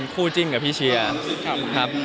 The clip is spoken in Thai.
คู่จิ้งกับพี่เชียร์